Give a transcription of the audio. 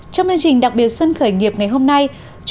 trong chương trình đặc biệt xuân khởi nghiệp ngày hôm nay